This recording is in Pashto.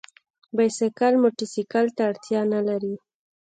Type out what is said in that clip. بایسکل موټرسایکل ته اړتیا نه لري.